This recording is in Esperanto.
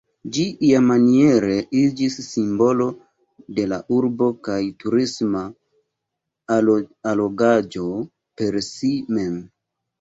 Ĝi iamaniere iĝis simbolo de la urbo kaj turisma allogaĵo per si mem.